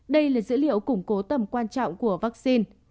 đây là dữ liệu củng cố tầm quan trọng của vaccine